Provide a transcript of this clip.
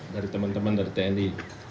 dari teman teman dari tni